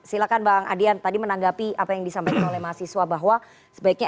silahkan bang adian tadi menanggapi apa yang disampaikan oleh mahasiswa bahwa sebaiknya